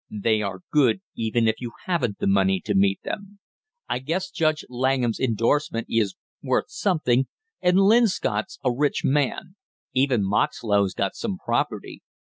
"They are good even if you haven't the money to meet them! I guess Judge Langham's indorsement is worth something, and Linscott's a rich man; even Moxlow's got some property.